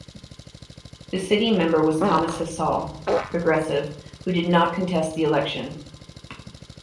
The sitting member was Thomas Hassall (Progressive) who did not contest the election.